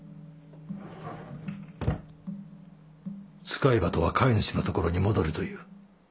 使い鳩は飼い主のところに戻るという。